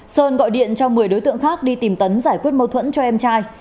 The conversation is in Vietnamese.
sơn gọi điện cho một mươi đối tượng khác đi tìm tấn giải quyết mâu thuẫn cho em trai